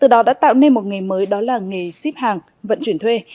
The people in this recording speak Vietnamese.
từ đó đã tạo nên một nghề mới đó là nghề ship hàng vận chuyển thuê